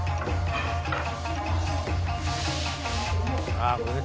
ああこれね。